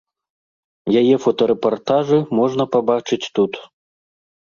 Яе фотарэпартажы можна пабачыць тут.